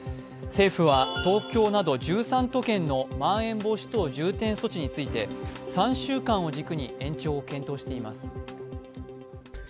政府は東京など１３都県のまん延防止等重点措置について３週間を軸に延長を検討しています